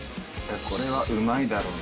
これはうまいだろうな。